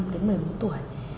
năm đến một mươi bốn tuổi